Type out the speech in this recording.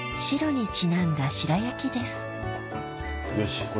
白にちなんだよし！